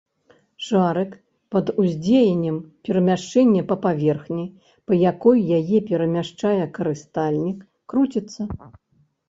Шарык пад уздзеяннем перамяшчэння па паверхні, па якой яе перамяшчае карыстальнік, круціцца.